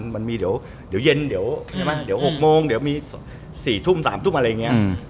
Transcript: มันมีเดี๋ยวเย็นเดี๋ยว๖โมงเดี๋ยวมี๔ทุ่ม๓ทุ่มอะไรอย่างนี้